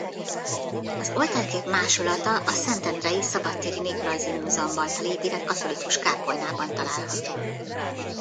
Az oltárkép másolata a Szentendrei Szabadtéri Néprajzi Múzeumban felépített katolikus kápolnában látható.